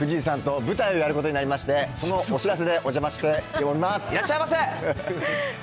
実は、藤井さんと舞台をやることになりまして、そのお知らせでお邪魔しております。